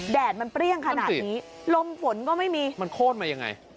แดดมันเปรี้ยงขนาดนี้ลมฝนก็ไม่มีมันโค้นมายังไง